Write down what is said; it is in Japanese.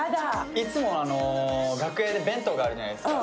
いつも楽屋で弁当があるじゃないですか。